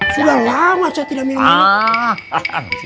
sudah lama saya tidak minum minum